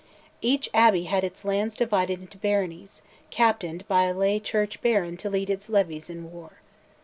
Each abbey had its lands divided into baronies, captained by a lay "Church baron" to lead its levies in war.